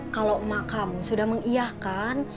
kalau emak kamu sudah mengiahkan